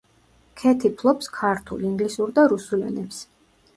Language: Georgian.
ქეთი ფლობს ქართულ, ინგლისურ და რუსულ ენებს.